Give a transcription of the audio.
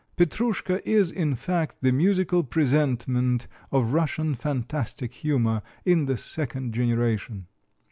'Petrouschka' is, in fact, the musical presentment of Russian fantastic humor in the second generation."